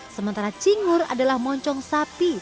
sementara cingur adalah moncong sapi